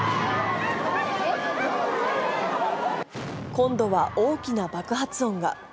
今度は大きな爆発音が。